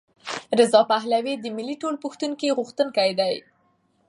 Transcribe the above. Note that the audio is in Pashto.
رضا پهلوي د ملي ټولپوښتنې غوښتونکی دی.